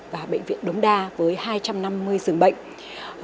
và bệnh viện đống đa với hai trăm năm mươi giường bệnh